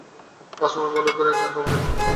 আজ তোমার ভালো করিয়া চা খাওয়া হইল না।